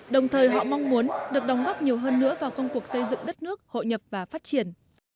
đồng thời họ mong muốn được đóng góp nhiều hơn nữa vào công cuộc xây dựng đất nước hội nhập và phát triển